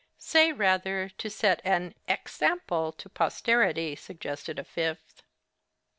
'Say, rather, to set an X ample to posterity,' suggested a fifth.